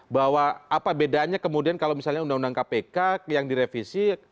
bahwa apa bedanya kemudian kalau misalnya undang undang kpk yang direvisi